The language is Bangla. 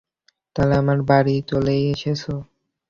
তাহলে আমার বাড়ি চলেই এসেছ?